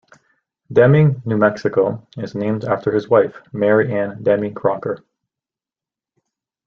Deming, New Mexico, is named after his wife, Mary Ann Deming Crocker.